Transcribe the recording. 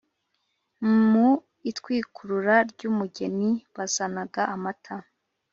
mu itwikurura ry’umugeni bazanaga amata.